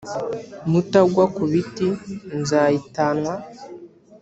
Mutagwa ku biti, nzayitanwa: